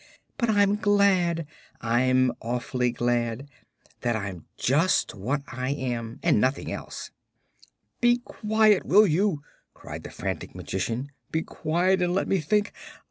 But I'm glad I'm awfully glad! that I'm just what I am, and nothing else." "Be quiet, will you?" cried the frantic Magician; "be quiet and let me think!